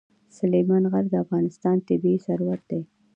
سلیمان غر د افغانستان طبعي ثروت دی.